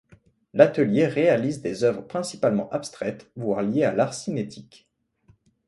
L'atelier réalise des œuvres principalement abstraites, voire liées à l'art cinétique.